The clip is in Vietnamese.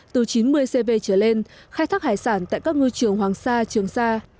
từ chín mươi cv trở lên khai thác hải sản tại các ngư trường hoàng sa trường sa